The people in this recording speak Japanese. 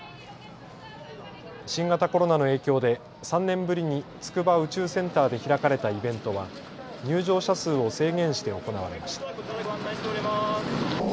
新型コロナの影響で３年ぶりに筑波宇宙センターで開かれたイベントは入場者数を制限して行われました。